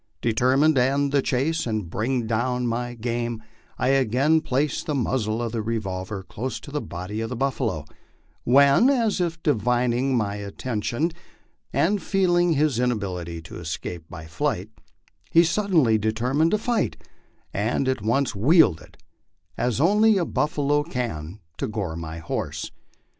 Determined to end the chase and bring down my game, I again placed the muzzle of the revolver close to the body of the buffalo, when, as if divining my intention, and feeling his inability to escape by flight, he suddenly determined to fight, and at once wheeled, as only a buffalo can, to gore my horse.